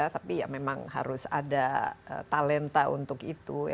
tapi ya memang harus ada talenta untuk itu